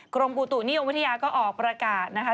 กรมอุตุนิยมวิทยาก็ออกประกาศนะคะ